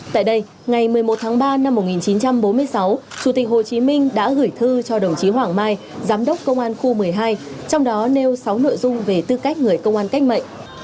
tại đây ngày một mươi một tháng ba năm một nghìn chín trăm bốn mươi sáu chủ tịch hồ chí minh đã gửi thư cho đồng chí hoàng mai giám đốc công an khu một mươi hai trong đó nêu sáu nội dung về tư cách người công an cách mệnh